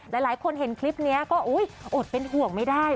หลายคนเห็นคลิปนี้ก็อดเป็นห่วงไม่ได้